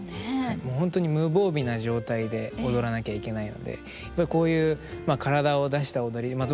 本当に無防備な状態で踊らなきゃいけないのでこういう体を出した踊りまあ